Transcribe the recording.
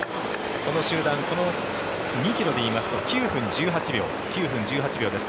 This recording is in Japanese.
この集団２ｋｍで言いますと９分１８秒です。